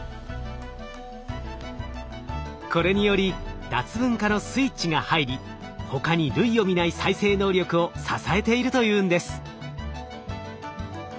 これにより脱分化のスイッチが入り他に類を見ない再生能力を支えているというんです。